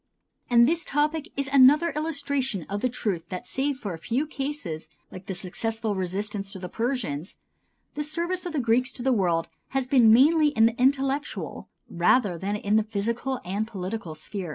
And this topic is another illustration of the truth that save for a few cases like the successful resistance to the Persians, the service of the Greeks to the world has been mainly in the intellectual rather than in the physical and political sphere.